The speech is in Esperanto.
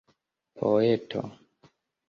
poeto